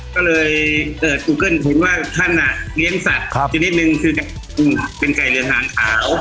ก็เลยเจอจูเกิ้ลพูดว่าท่านเลี้ยงสัตว์ชีวิตนึงคือเป็นไก่เหลืองหางขาว